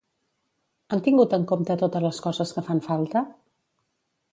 Han tingut en compte totes les coses que fan falta?